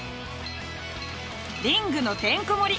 リングのてんこ盛り！